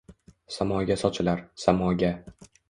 Samoga sochilar, samoga